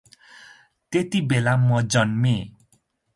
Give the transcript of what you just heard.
त्यति बेला म जन्मेँ ।